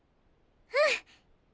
うん！